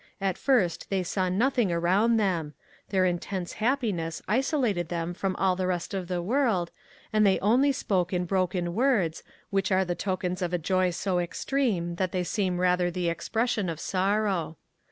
At first they saw nothing around them. Their intense happiness isolated them from all the rest of the world, and they only spoke in broken words, which are the tokens of a joy so extreme that they seem rather the expression of sorrow.